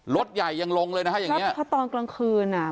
รถใหญ่ยังลงเลยนะฮะอีกหน้า